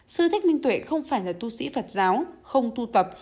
sư thích minh tuệ không phải là tu sĩ phật giáo không tu tập